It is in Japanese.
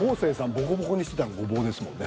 ボコボコにしてたのゴボウですもんね。